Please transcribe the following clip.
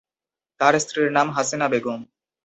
তাঁর স্ত্রীর নাম হাসিনা বেগম।